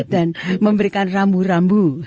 dan memberikan rambu rambu